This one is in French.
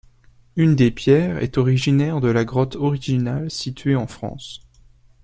Une des pierres est originaire de la grotte originale située en France.